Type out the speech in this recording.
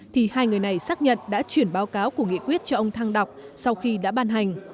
thì hai người này xác nhận đã chuyển báo cáo của nghị quyết cho ông thăng đọc sau khi đã ban hành